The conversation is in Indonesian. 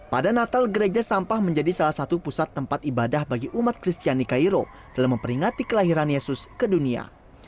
pada natal gereja sampah menjadi salah satu pusat tempat ibadah bagi umat kristiani cairo dalam memperingati kelahiran yesus ke dunia